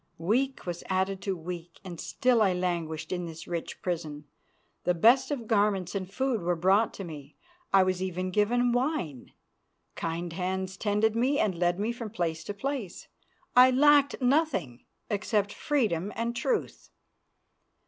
Week was added to week, and still I languished in this rich prison. The best of garments and food were brought to me; I was even given wine. Kind hands tended me and led me from place to place. I lacked nothing except freedom and the truth.